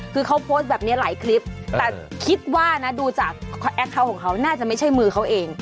คือเขาโพสต์แบบนี้หลายคลิปแต่คิดว่านะดูจากแอคเคาน์ของเขาน่าจะไม่ใช่มือเขาเอง